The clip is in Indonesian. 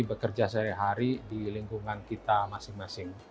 bekerja sehari hari di lingkungan kita masing masing